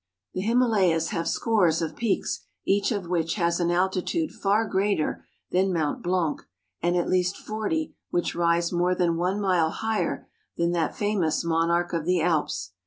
The Himalayas have scores of peaks, each of which has an altitude far greater than Mount Blanc, and at least forty which rise more than one mile higher than that famous monarch of the Alps.